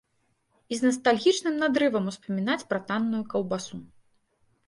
І з настальгічным надрывам успамінаць пра танную каўбасу.